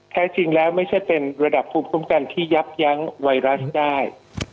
แท้จริงแล้วไม่ใช่เป็นระดับภูมิคุ้มกันที่ยับยั้งไวรัสได้